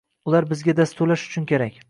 Ular bizga dasturlash uchun kerak.